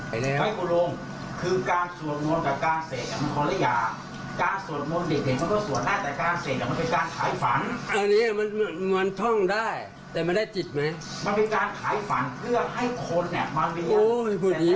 เอ้าแล้วเนี่ยหมอป้าไปแล้วทุกข์ศาลเขาเนี่ย